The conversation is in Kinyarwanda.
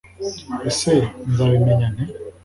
ese nzabimenya nte